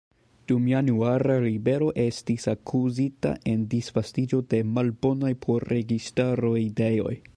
Dum Januara ribelo estis akuzita en disvastiĝo de "malbonaj por registaro" ideoj.